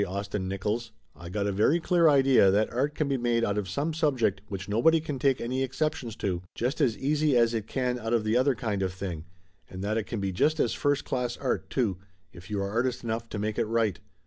Austin Nickolls, I got a very clear idea that art can be made out of some subject which nobody can take any ex ceptions to, just as easy as it can out of the other kind of thing, and that it can be just as first class art, too, if you are artist enough to make it right.